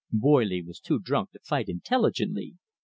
Boily was too drunk to fight intelligently.